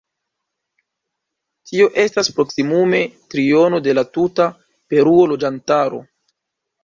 Tio estas proksimume triono de la tuta Peruo loĝantaro.